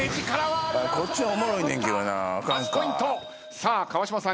さあ川島さん